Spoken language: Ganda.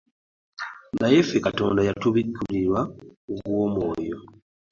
Naye ffe Katonda yatubibikkulira ku bw'Omwoyo.